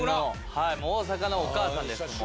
はい大阪のお母さんですもう。